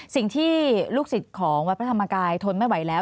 สิ่งที่ลูกศิษย์ของวัดพระธรรมกายทนไม่ไหวแล้ว